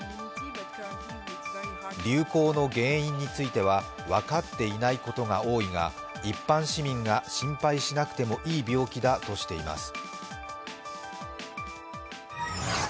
流行の原因については、分かっていないことが多いが、一般市民が心配しなくてもいい病気だとしています。